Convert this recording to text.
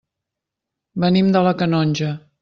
Venim de la Canonja.